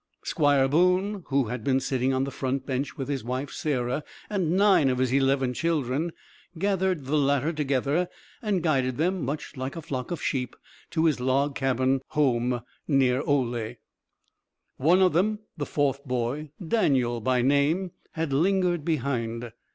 Squire Boone, who had been sitting on the front bench with his wife Sarah, and nine of his eleven children, gathered the latter together, and guided them, much like a flock of sheep, to his log cabin home near Oley. One of them, the fourth boy, Daniel by name, had lingered behind.